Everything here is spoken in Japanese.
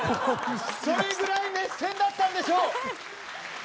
それぐらい熱戦だったんでしょう。